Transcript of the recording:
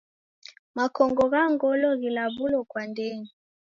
Makongo gha ngolo ghilaw'ulo kwa ndenyi.